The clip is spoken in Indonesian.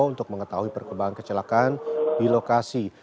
untuk mengetahui perkembangan kecelakaan di lokasi